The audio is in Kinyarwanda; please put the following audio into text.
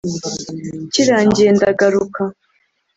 kirangiye ndagaruka